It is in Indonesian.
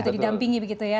didampingi begitu ya